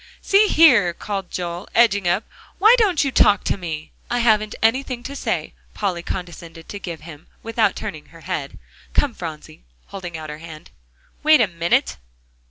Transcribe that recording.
"See here!" called Joel, edging up, "why don't you talk to me?" "I haven't anything to say," Polly condescended to give him, without turning her head. "Come, Phronsie," holding out her hand. "Wait a minute."